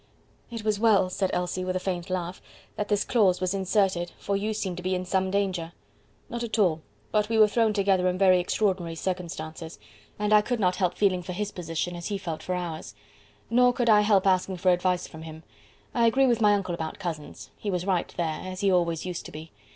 "It was well," said Elsie, with a faint laugh, "that this clause was inserted, for you seem to be in some danger." "Not at all; but we were thrown together in very extraordinary circumstances, and I could not help feeling for his position as he felt for ours. Nor could I help asking for advice from him. I agree with my uncle about cousins. He was right there, as he always used to be.